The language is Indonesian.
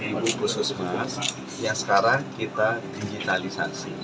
sepuluh ibu khusus bukas